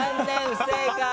不正解。